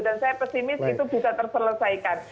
dan saya pesimis itu bisa terselesaikan